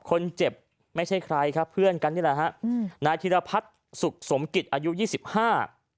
คนเจ็บไม่ใช่ใครครับเพื่อนกันนี่แหละฮะอืมนายธิรพัฒน์สุขสมกิจอายุยี่สิบห้า